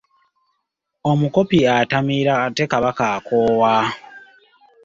Omukopi atamiira ate Kabaka akoowa.